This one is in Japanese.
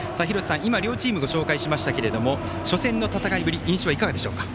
両チーム、ご紹介しましたが初戦の戦いぶり印象はいかがでしょうか。